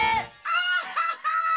アハハハ！